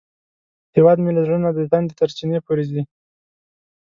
هیواد مې له زړه نه د تندي تر چینې پورې ځي